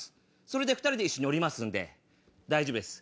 それで２人で一緒に降りますんで大丈夫です。